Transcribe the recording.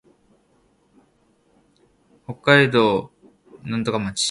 北海道幌加内町